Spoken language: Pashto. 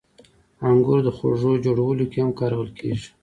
• انګور د خوږو جوړولو کې هم کارول کېږي.